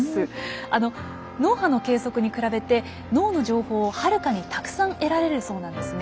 あの脳波の計測に比べて脳の情報をはるかにたくさん得られるそうなんですね。